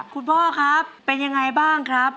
พ่อครับเป็นยังไงบ้างครับ